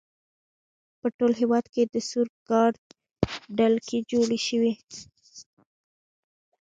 په ټول هېواد کې د سور ګارډ ډلګۍ جوړې شوې.